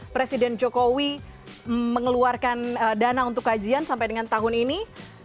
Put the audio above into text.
presiden jokowi mengeluarkan dana untuk kajian sampai dengan tahun ini